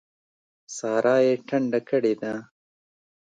سارا يې ټنډه کړې ده.